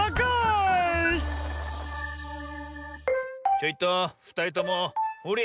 ちょいとふたりともほれ。